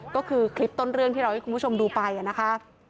ก็คือคลิปต้นเรื่องที่เราให้คุณผู้ชมดูไปนะคะ